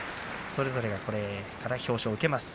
それぞれが表彰を受けます。